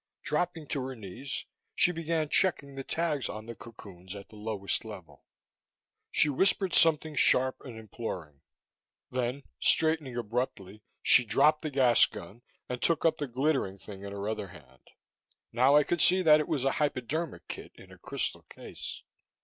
Dropping to her knees, she began checking the tags on the cocoons at the lowest level. She whispered something sharp and imploring. Then, straightening abruptly, she dropped the gas gun and took up the glittering thing in her other hand. Now I could see that it was a hypodermic kit in a crystal case.